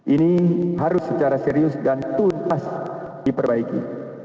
ini harus secara serius dan tuntas diperbaiki